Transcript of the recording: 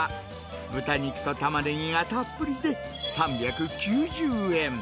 豚肉とタマネギがたっぷりで、３９０円。